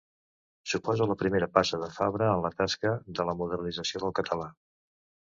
Suposa la primera passa de Fabra en la tasca de la modernització del català.